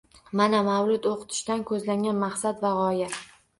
Mana mavlud o'qitishdan ko'zlangan maqsad va g'oya.